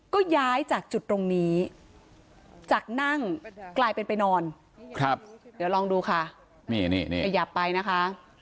ก็ย้ายจากจุดตรงนี้จากนั่งกลายเป็นไปนอนครับเดี๋ยวลองดูค่ะนี่นี่ขยับไปนะคะ